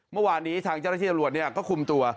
เมื่อวานนี้ทางเจ้าหน้าที่ตำรวจก็คุมตัว